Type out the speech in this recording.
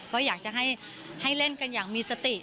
ก็อยากจะให้เล่นกันอย่างมีสติ